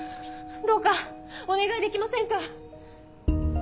どうかお願いできませんか！